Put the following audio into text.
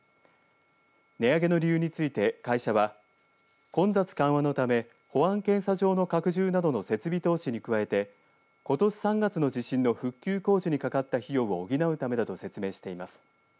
値上げの理由について会社は混雑緩和のため保安検査場の拡充などの設備投資に加えてことし３月の地震の復旧工事にかかった費用を補うためだと説明しています。